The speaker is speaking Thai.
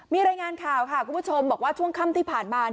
มีรายงานข่าวค่ะคุณผู้ชมบอกว่าช่วงค่ำที่ผ่านมา